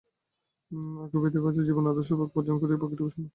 অজ্ঞেয়বাদী জীবনের আদর্শভাগ বর্জন করিয়া বাকীটুকু সর্বস্ব বলিয়া গ্রহণ করেন।